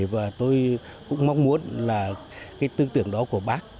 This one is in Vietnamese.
và tôi cũng mong muốn là cái tư tưởng đó của bác